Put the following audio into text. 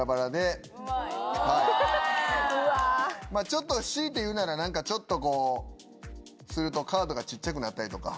ちょっと強いて言うなら何かちょっとこうするとカードが小っちゃくなったりとか。